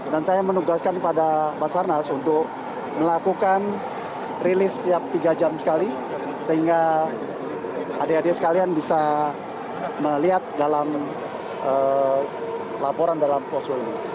dan saya menugaskan kepada mas harnas untuk melakukan rilis setiap tiga jam sekali sehingga adik adik sekalian bisa melihat dalam laporan dalam posko ini